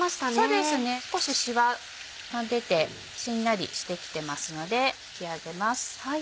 そうですね少ししわが出てしんなりしてきてますので引き上げます。